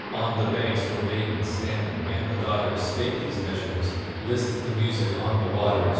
On the banks were maidens standing, And the daughters spake these measures: "List the music on the waters!